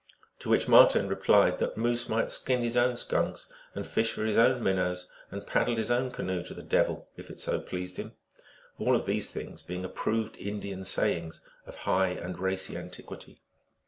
To which Marten replied that Moose might skin his own skunks, and fish for his own minnows, and also paddle his own canoe to the devil, if it so pleased him, all of these being approved Indian sayings of high and racy antiquity.